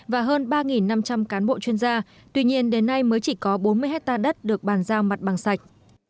và hơn ba năm trăm linh cán bộ chuyên gia tuy nhiên đến nay mới chỉ có bốn mươi hectare đất được bàn giao mặt bằng sạch